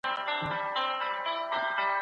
پولیس به مجرمین ونیسي.